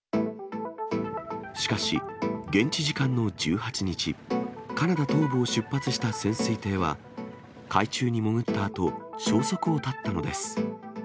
しかし、現地時間の１８日、カナダ東部を出発した潜水艇は、海中に潜ったあと、消息を絶ったのです。